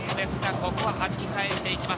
ここは、はじき返して行きます。